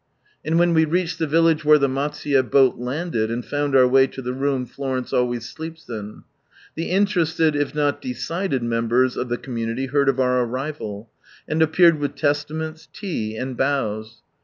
And then we reached the village where the Maisuye boat landed, and found our way to the room Florence always sleeps in. The interested, if not decided, members of the community heard of our arrival, and appeared with Testaments, tea, and bows.